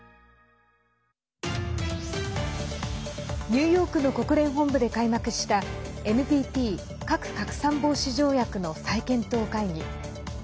ニューヨークの国連本部で開幕したＮＰＴ＝核拡散防止条約の再検討会議。